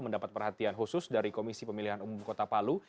mendapat perhatian khusus dari komisi pemilihan umum kota palu